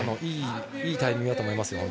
いいタイミングだと思います。